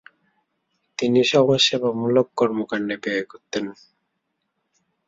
তিনি সমাজসেবামূলক কর্মকাণ্ডে ব্যয় করতেন।